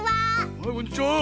はいこんにちは。